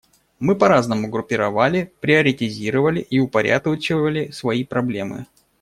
Мы по-разному группировали, приоритизировали и упорядочивали свои проблемы.